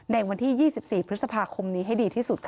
ในวันที่๒๔พฤษภาคมนี้ให้ดีที่สุดค่ะ